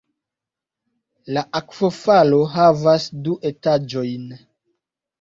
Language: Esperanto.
La akvofalo havas du etaĝojn.